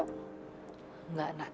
tidak anak terima kasih